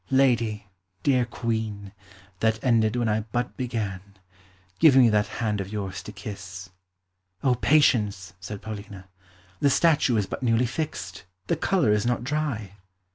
Lady, dear Queen, that ended when I but began, give me that hand of yours to kiss." "O, patience!" said Paulina. "The statue is but newly fixed; the colour is not dry."